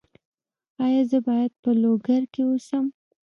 ایا زه باید په لوګر کې اوسم؟